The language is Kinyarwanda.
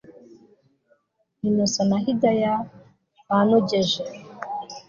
Innocent na Hidaya banogeje